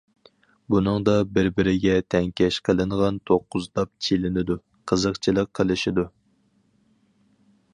بۇنىڭدا، بىر-بىرىگە تەڭكەش قىلىنغان توققۇز داپ چېلىنىدۇ، قىزىقچىلىق قىلىشىدۇ.